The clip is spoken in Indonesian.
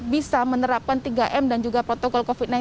bisa menerapkan tiga m dan juga protokol covid sembilan belas